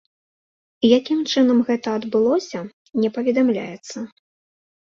Якім чынам гэта адбылося, не паведамляецца.